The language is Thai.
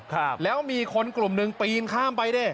ค้าแล้วมีคนกลุ่มหนึ่งปีนคล่ามไปด้ะ